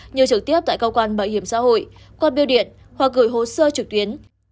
như trực tiếp tại cơ quan bảo hiểm xã hội qua biêu điện hoặc gửi hồ sơ trực tuyến